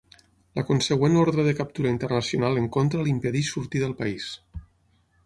La consegüent ordre de captura internacional en contra li impedeix sortir del país.